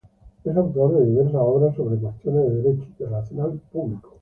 Es autor de diversas obras, sobre cuestiones de Derecho Internacional Publico.